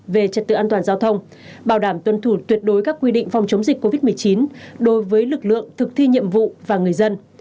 về trật tự an toàn giao thông bảo đảm tuân thủ tuyệt đối các quy định phòng chống dịch covid một mươi chín đối với lực lượng thực thi nhiệm vụ và người dân